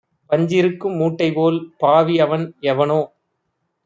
பஞ்சிருக்கும் மூட்டைபோல் பாவி அவன்எவனோ